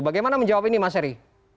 bagaimana menjawab ini mas heri